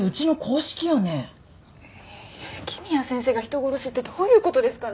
雪宮先生が人殺しってどういう事ですかね？